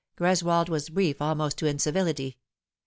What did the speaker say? Greswold was brief almost to incivility.